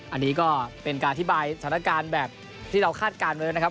อันนี้ก็เป็นการอธิบายสถานการณ์แบบที่เราคาดการณ์ไว้นะครับ